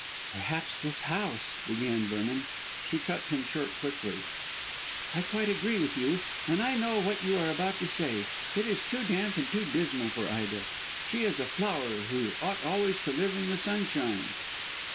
"Perhaps this house " began Vernon. She cut him short quickly. "I quite agree with you, and I know what you are about to say. It is too damp and too dismal for Ida. She is a flower who ought always to live in the sunshine."